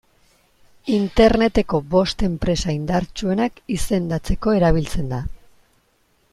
Interneteko bost enpresa indartsuenak izendatzeko erabiltzen da.